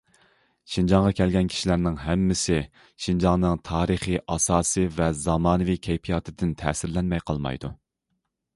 شىنجاڭغا كەلگەن كىشىلەرنىڭ ھەممىسى شىنجاڭنىڭ تارىخىي ئاساسى ۋە زامانىۋى كەيپىياتىدىن تەسىرلەنمەي قالمايدۇ.